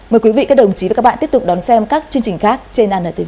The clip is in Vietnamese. mời quý vị các đồng chí và các bạn tiếp tục đón xem các chương trình khác trên anntv